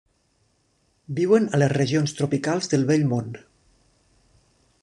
Viuen a les regions tropicals del Vell Món.